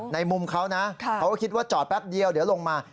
มุมเขานะเขาก็คิดว่าจอดแป๊บเดียวเดี๋ยวลงมา